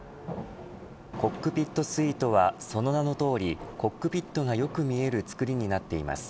コックピットスイートはその名のとおりコックピットがよく見える作りになっています。